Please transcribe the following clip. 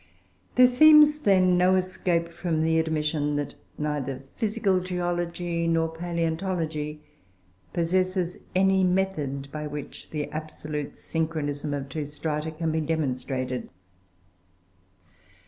There seems, then, no escape from the admission that neither physical geology, nor palaeontology, possesses any method by which the absolute synchronism of two strata can be demonstrated.